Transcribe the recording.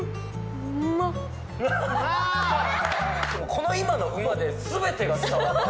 この今の「うまっ」で全てが伝わった！